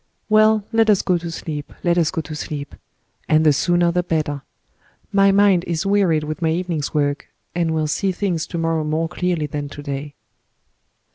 "Well, let us go to sleep—let us go to sleep; and the sooner the better. My mind is wearied with my evening's work, and will see things to morrow more clearly than to day."